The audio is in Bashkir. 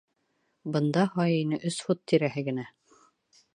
Бында һай ине, өс фут тирәһе генә.